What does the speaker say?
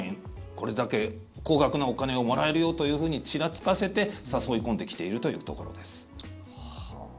これだけ高額のお金をもらえるよというふうにちらつかせて誘い込んできているというところです。